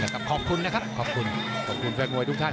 ขอบคุณนะครับขอบคุณขอบคุณแฟนมวยทุกท่าน